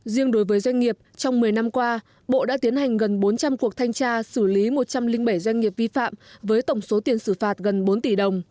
riêng đối với doanh nghiệp trong một mươi năm qua bộ đã tiến hành gần bốn trăm linh cuộc thanh tra xử lý một trăm linh bảy doanh nghiệp vi phạm với tổng số tiền xử phạt gần bốn tỷ đồng